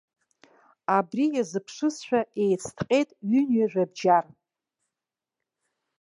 Абри иазыԥшызшәа еицҭҟьеит ҩынҩажәа бџьар.